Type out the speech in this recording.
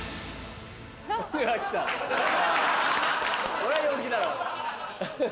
これは陽気だろ。